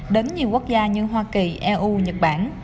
đến nhiều quốc gia như hoa kỳ eu nhật bản